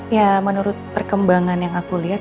ya menurut perkembangan yang aku lihat